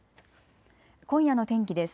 今夜の天気です。